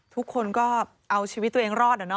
ทุกคนก็เอาชีวิตตัวเองรอด